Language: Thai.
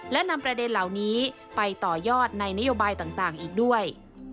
และนำประเด็นเหล่านี้ไปต่อยอดในนโยบายต่างอีกด้วย